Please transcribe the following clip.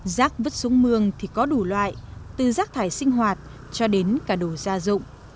rác vứt xuống mương thì có đủ loại từ rác thải sinh hoạt cho đến cả đồ gia dụng